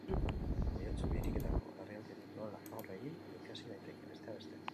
Bihotz biriketako larrialdiari nola aurre egin ikasi daiteke, besteak beste.